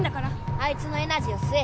あいつのエナジーをすえ！